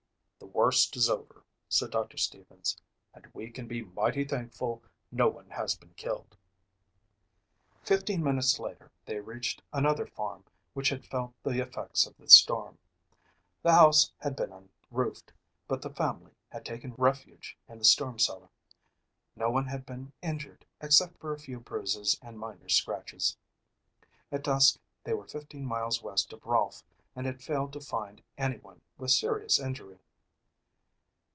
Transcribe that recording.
"The worst is over," said Doctor Stevens, "and we can be mighty thankful no one has been killed." Fifteen minutes later they reached another farm which had felt the effects of the storm. The house had been unroofed but the family had taken refuge in the storm cellar. No one had been injured, except for a few bruises and minor scratches. At dusk they were fifteen miles west of Rolfe and had failed to find anyone with serious injury.